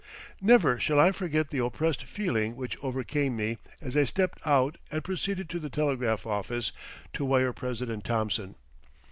Never shall I forget the oppressed feeling which overcame me as I stepped out and proceeded to the telegraph office to wire President Thomson.